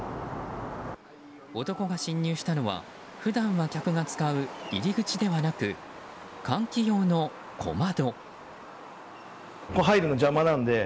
男が侵入したのは普段は客が使う入り口ではなく換気用の小窓。